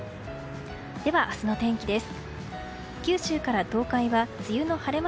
では、明日の天気です。